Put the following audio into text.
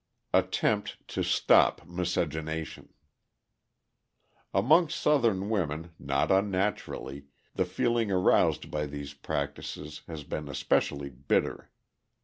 Attempt to Stop Miscegenation Among Southern women, not unnaturally, the feeling aroused by these practices has been especially bitter.